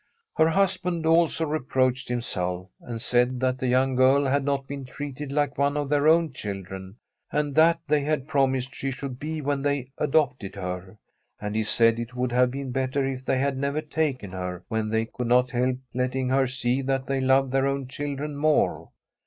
Her husband also reproached himself, and said that the young g^rl had not been treated like one of their own children, and that they had prom ised she should be when they adopted her; and he said it would have been better if they had never taken her, when they could not help letting her see that they loved their own children more.